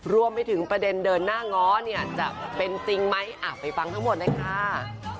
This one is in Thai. รวมไปถึงประเด็นเดินหน้าง้อเนี่ยจะเป็นจริงไหมไปฟังทั้งหมดเลยค่ะ